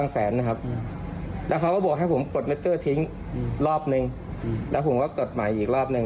แสนนะครับแล้วเขาก็บอกให้ผมกดเมคเกอร์ทิ้งรอบนึงแล้วผมก็กดใหม่อีกรอบหนึ่ง